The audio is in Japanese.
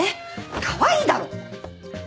カワイイだろ！